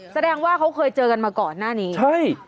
แสดงว่าเขาเคยเจอกันมาก่อนหน้านี้ใช่